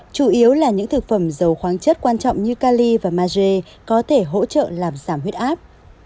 chủ yếu là những thực phẩm dầu khoáng chất quan trọng như cali và marge có thể hỗ trợ làm giảm huyết áp